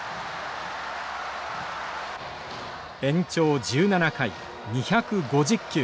延長１７回２５０球。